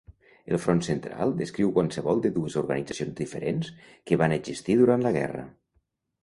El Front Central descriu qualsevol de dues organitzacions diferents que van existir durant la guerra.